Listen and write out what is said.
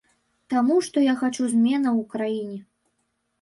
Таму што я хачу зменаў у краіне.